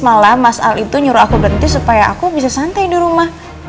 malah mas al itu nyuruh aku berhenti supaya aku bisa santai di rumah